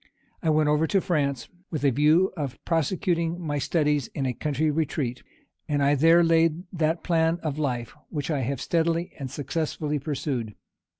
I went over to France, with a view of prosecuting my studies in a country retreat; and I there laid that plan of life which I have steadily and successfully pursued.